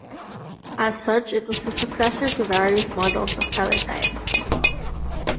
As such, it was the successor to various models of Teletype.